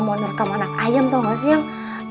mau nerekam anak ayam tau gak sih yang